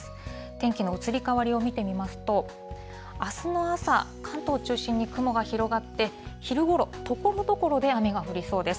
天気の移り変わりを見てみますと、あすの朝、関東を中心に雲が広がって、昼ごろ、ところどころで雨が降りそうです。